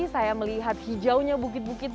saya melihat hijaunya bukit bukit